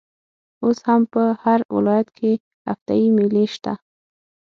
اوس هم په هر ولايت کښي هفته يي مېلې سته.